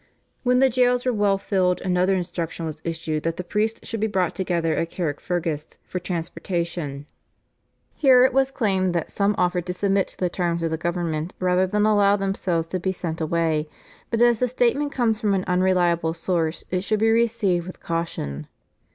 When the jails were well filled, another instruction was issued that the priests should be brought together at Carrickfergus for transportation. Here it was claimed that some offered to submit to the terms of the government rather than allow themselves to be sent away, but as the statement comes from an unreliable source it should be received with caution.